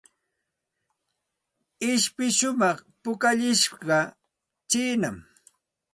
Ishpi shumaq pukallishqa chiinam.